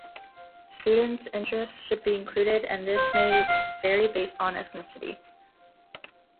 Student’s interests should be included, and this may vary based on ethnicity